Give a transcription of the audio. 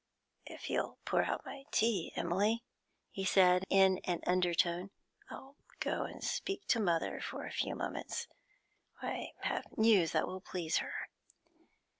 'If you'll pour out my tea, Emily,' he said in an undertone, 'I'll go and speak to mother for a few moments. I have news that will please her.'